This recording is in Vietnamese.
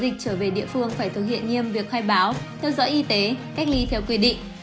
dịch trở về địa phương phải thực hiện nghiêm việc khai báo theo dõi y tế cách ly theo quy định